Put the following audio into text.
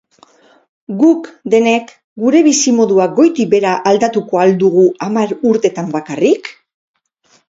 Guk, denek, gure bizimodua goitik-behera aldatuko al dugu hamar urtetan bakarrik?